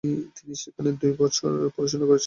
তিনি সেখানে দু'বছর পড়াশোনা করেছেন।